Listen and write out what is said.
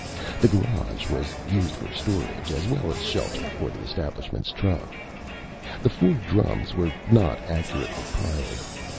The garage was used for storage as well as shelter for the establishment's truck. The four drums were not accurately piled.